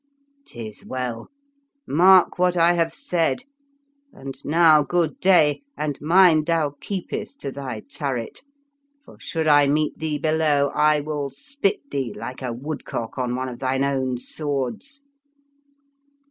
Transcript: " 'Tis well; mark what I have said, and now good day, and mind thou keepest to thy turret; for should I meet thee below, I will spit thee like a woodcock on one of thine own swords.